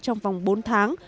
trong vòng bốn tháng